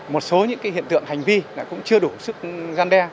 một số những hiện tượng hành vi cũng chưa đủ sức gian đe